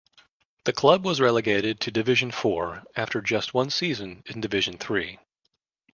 The club was relegated to Division Four after just one season in Division Three.